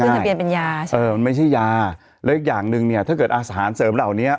มันไม่ใช่ยาและอีกอย่างนึงเนี่ยถ้าเกิดอาสารเสริมเหล่านี้